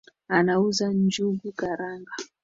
Anauza njugu karanga